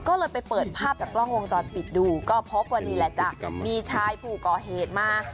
ก็เลยไปเปิดภาพจากกล้องวงจรปิดดูก็พบว่านี่แหละจ้ะมีชายผู้ก่อเหตุมา